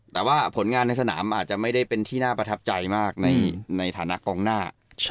แต่ว่าผลงานในสนามอาจจะไม่ได้เป็นที่น่าประทับใจมากในฐานะกองหน้า